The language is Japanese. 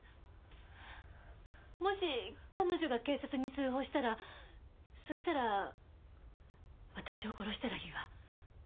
もし彼女が警察に通報したらそしたら私を殺したらいいわ。